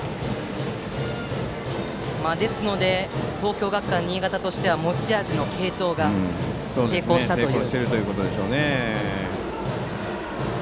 ですので、東京学館新潟としては持ち味の継投が成功しています。